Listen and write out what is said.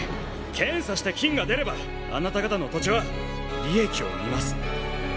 検査して金が出ればあなた方の土地は利益を生みます。